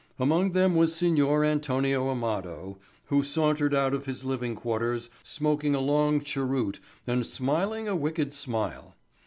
Among them was Signor Antonio Amado, who sauntered out of his living quarters smoking a long cheroot and smiling a wicked smile.